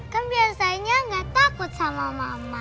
kan biasanya gak takut sama mama